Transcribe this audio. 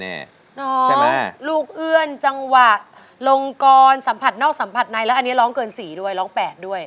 ใช่ไหมลูกเอื้อนจังหวะลงกรสัมผัสนอกสัมผัสในแล้วอันนี้ร้องเกิน๔ด้วยร้อง๘ด้วย